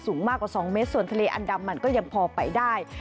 มากกว่า๒เมตรส่วนทะเลอันดามันก็ยังพอไปได้